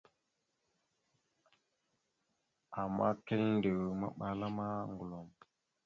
Ama kiləndew maɓala ma, ŋgəlom.